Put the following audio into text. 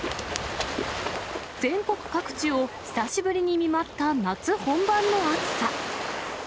全国各地を久しぶりに見舞った夏本番の暑さ。